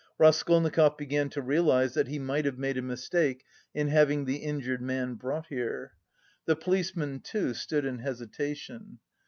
Raskolnikov began to realise that he might have made a mistake in having the injured man brought here. The policeman, too, stood in hesitation.